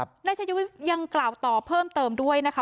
นายชายวิทย์ยังกล่าวต่อเพิ่มเติมด้วยนะคะ